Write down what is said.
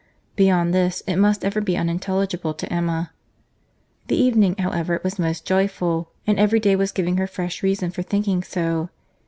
—Beyond this, it must ever be unintelligible to Emma. The event, however, was most joyful; and every day was giving her fresh reason for thinking so.